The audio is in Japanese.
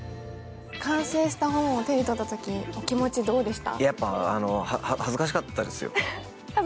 完成した本を手に取ったときお気持ちはどうでした？